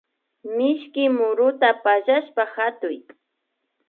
Mishki muruta pallashpa hatuy